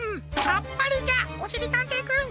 あっぱれじゃおしりたんていくん！